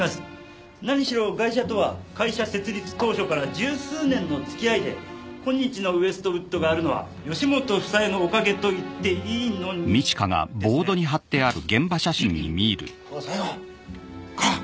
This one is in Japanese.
なにしろガイシャとは会社設立当初から１０数年のつきあいで今日のウエストウッドがあるのは吉本房江のおかげといっていいのにですねコラ西郷コラ！